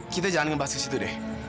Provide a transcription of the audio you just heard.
kita jangan ngembas ke situ deh